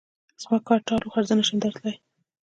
زما کار ټال وخوړ؛ زه نه شم درتلای.